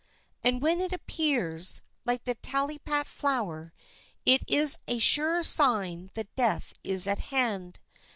And when it appears, like the Talipat flower, it is a sure sign that death is at hand.